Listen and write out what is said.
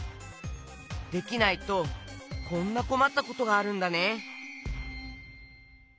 できないとこんなこまったことがあるんだね。